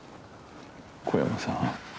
小山さん。